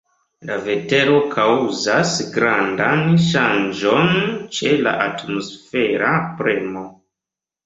La vetero kaŭzas grandan ŝanĝon ĉe la atmosfera premo.